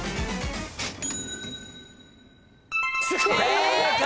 正解！